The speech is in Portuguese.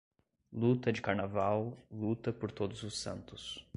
Luta de Carnaval, Luta por Todos os Santos.